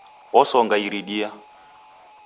Osonga iridia